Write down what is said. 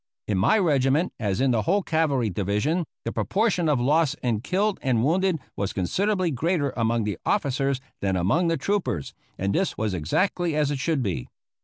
In my regiment, as in the whole cavalry division, the proportion of loss in killed and wounded was considerably greater among the officers than among the troopers, and this was exactly as it should be.